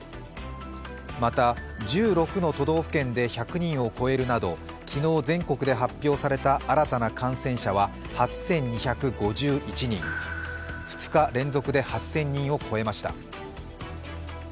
また、１６の都道府県で１００人を超えるなど、昨日、全国で発表された新たな感染者は８２５１人２日連続で８０００人を超えました。